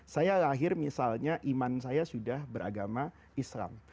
saya lahir misalnya iman saya sudah beragama islam